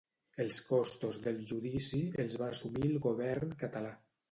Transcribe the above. Els costos del judici els va assumir el govern català.